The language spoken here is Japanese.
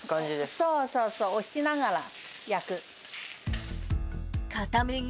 そうそうそう、押しながら焼く。